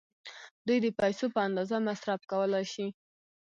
دوی د پیسو په اندازه مصرف کولای شي.